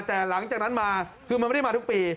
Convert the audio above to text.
แต่หลังจากนั้นมาคือมันไม่ได้มาทุกปี